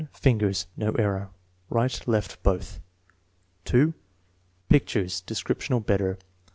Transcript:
Fingers. (No error.) Right; left; both. 2. Pictures, description or better.